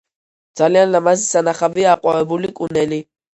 ძალიან ლამაზი სანახავია აყვავებული კუნელი.